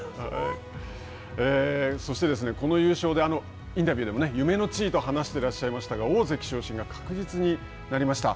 そして、この優勝でインタビューでも夢の地位と話していらっしゃいましたが、大関昇進が確実になりました。